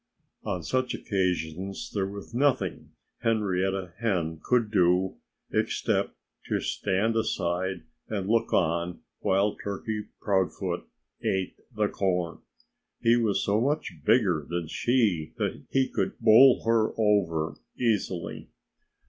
On such occasions there was nothing Henrietta Hen could do except to stand aside and look on while Turkey Proudfoot ate the corn. He was so much bigger than she that he could bowl her over easily.